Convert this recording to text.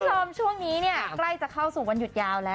จอมช่วงนี้ใกล้จะเข้าสู่วันหยุดยาวแล้ว